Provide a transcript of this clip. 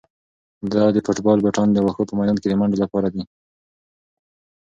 دا د فوټبال بوټان د واښو په میدان کې د منډو لپاره دي.